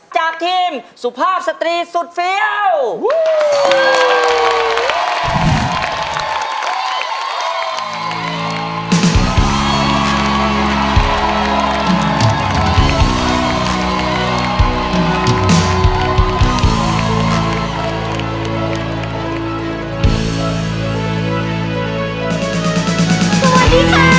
จากทีมสุภาพสตรีสุดเฟี้ยว